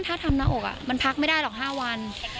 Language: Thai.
ถ้าทำหน้าอกมันพักไม่ได้หรอก๕วัน